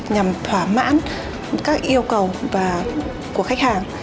nhằm thỏa mãn các yêu cầu của khách hàng